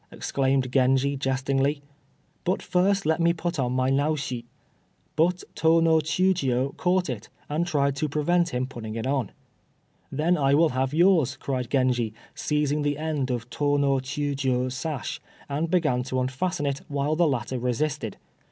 exclaimed Genji, jestingly "but first let me put on my Naoshi." But Tô no Chiûjiô caught it, and tried to prevent him putting it on. "Then I will have yours," cried Genji, seizing the end of Tô no Chiûjiô's sash, and beginning to unfasten it, while the latter resisted.